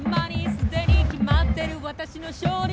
すでに決まってる私の勝利